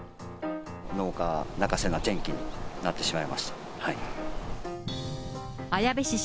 農家泣かせな天気になってしまいました。